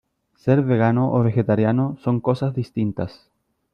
Ser vegano o vegetariano son cosas distintas.